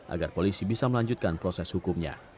agar polisi bisa melanjutkan proses hukumnya